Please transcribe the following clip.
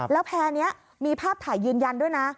แล้วแพร่นี้มีภาพถ่ายยืนยันด้วยนะ